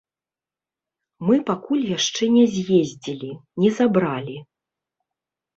Мы пакуль яшчэ не з'ездзілі, не забралі.